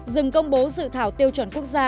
dừng công bố dự thảo tiêu chuẩn quốc gia